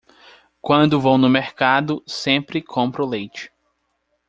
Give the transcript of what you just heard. Quando vou no mercado, sempre compro leite.